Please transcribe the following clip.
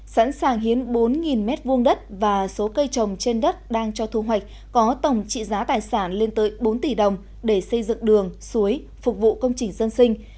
sẵn sàng hiến bốn m hai đất và số cây trồng trên đất đang cho thu hoạch có tổng trị giá tài sản lên tới bốn tỷ đồng để xây dựng đường suối phục vụ công trình dân sinh